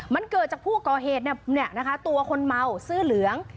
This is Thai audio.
มันเกิดจากผู้ก่อเหตุตัวคนเมาเสื้อเหลือง